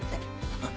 ハハハ。